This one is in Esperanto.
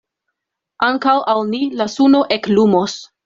Ankaŭ al ni la suno eklumos.